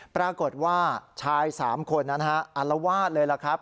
ปรากฏว่าชายสามคนนะครับอารวาสเลยนะครับ